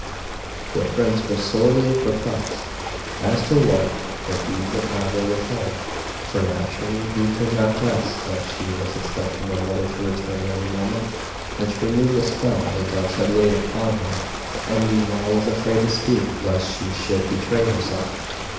The prince was sorely perplexed as to what could be the matter with her, for naturally he could not guess that she was expecting her mother to return every moment, and to remove the spell the doves had laid upon her, and meanwhile was afraid to speak lest she should betray herself.